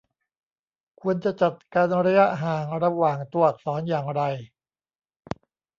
ควรจะจัดการระยะห่างระหว่างตัวอักษรอย่างไร